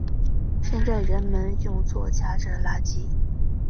现在人们用作夹着垃圾。